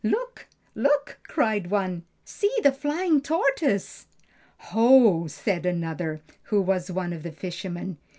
"Look! look!" cried one. "See the flying tortoise!" "Ho!" said another, who was one of the fishermen.